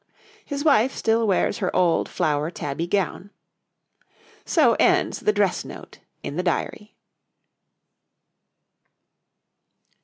His wife still wears her old flower tabby gown. So ends the dress note in the Diary.